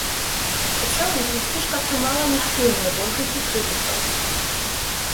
У цэлым кінастужка атрымала негатыўныя водгукі крытыкаў.